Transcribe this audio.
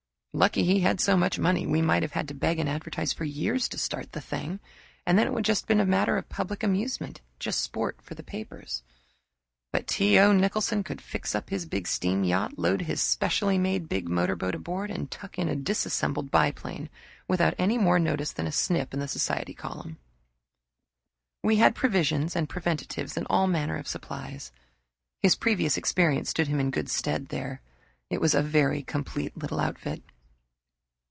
Lucky he had so much money we might have had to beg and advertise for years to start the thing, and then it would have been a matter of public amusement just sport for the papers. But T. O. Nicholson could fix up his big steam yacht, load his specially made big motorboat aboard, and tuck in a "dissembled" biplane without any more notice than a snip in the society column. We had provisions and preventives and all manner of supplies. His previous experience stood him in good stead there. It was a very complete little outfit.